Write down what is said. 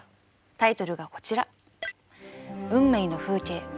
タイトルがこちら。